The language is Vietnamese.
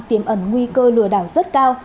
tiềm ẩn nguy cơ lừa đảo rất cao